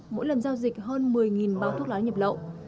mỗi lần giao dịch hơn một mươi bao thuốc lá nhập lậu